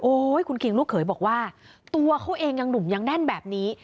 คุณคิงลูกเขยบอกว่าตัวเขาเองยังหนุ่มยังแน่นแบบนี้